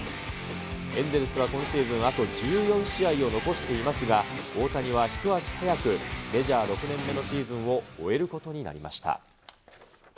エンゼルスは今シーズンあと１４試合を残していますが、大谷は一足早く、メジャー６年目のシーズンを終えることになりました。